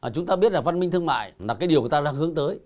chúng ta biết là văn minh thương mại là điều chúng ta đang hướng tới